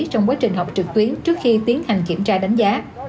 trong quá trình học trực tuyến trước khi tiến hành kiểm tra đánh giá